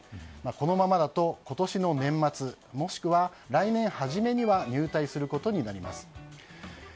このままだと今年の年末もしくは来年２月には入隊することになります。